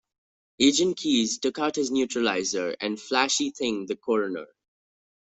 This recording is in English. Agent Keys took out his neuralizer and flashy-thinged the coroner.